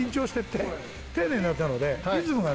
丁寧になったので。